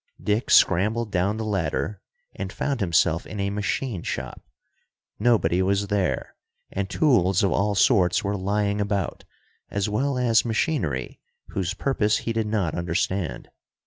Dick scrambled down the ladder and found himself in a machine shop. Nobody was there, and tools of all sorts were lying about, as well as machinery whose purpose he did not understand.